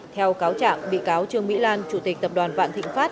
theo cáo trạng bị cáo trương mỹ lan chủ tịch tập đoàn vạn thịnh pháp